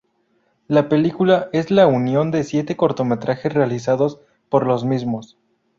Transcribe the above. La película es la unión de siete cortometrajes realizados por los mismos.